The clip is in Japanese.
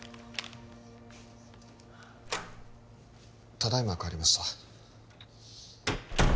ただいま帰りました